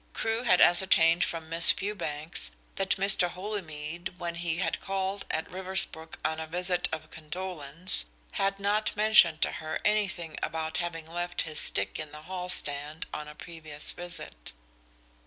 Crewe had ascertained from Miss Fewbanks that Mr. Holymead when he had called at Riversbrook on a visit of condolence had not mentioned to her anything about having left his stick in the hall stand on a previous visit.